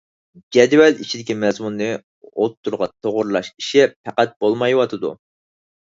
جەدۋەل ئىچىدىكى مەزمۇننى ئوتتۇرىغا توغرىلاش ئىشى پەقەت بولمايۋاتىدۇ.